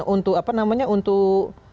untuk apa namanya untuk